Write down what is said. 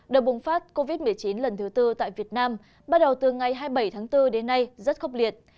đợt bùng phát covid một mươi chín lần thứ tư tại việt nam bắt đầu từ ngày hai mươi bảy tháng bốn đến nay rất khốc liệt